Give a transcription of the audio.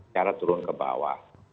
cara turun ke bawah